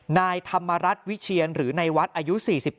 นายธรรมรัฐวิเชียนหรือในวัดอายุ๔๗